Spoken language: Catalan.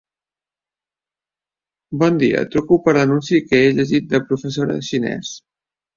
Bon dia. Truco per l'anunci que he llegit de professora de xinès.